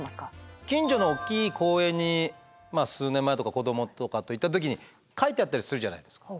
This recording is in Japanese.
近所の大きい公園に数年前とか子供とかと行った時に書いてあったりするじゃないですか。